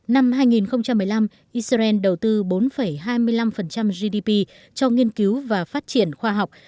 năm hai nghìn một mươi năm israel đầu tư bốn hai mươi năm gdp cho nghiên cứu và phát triển khoa học